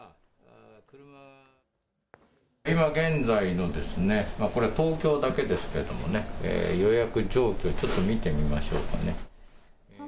今現在の東京だけですけれども予約状況、ちょっと見てみましょうかね。